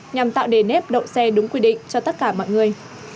nhằm tạo nề nếp đậu xe đúng quy định cho tất cả mọi người